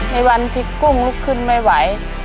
ในวันที่กุ้งลุกขึ้นไม่ไหว